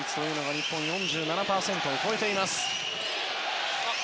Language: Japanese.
日本が４７％を超えています。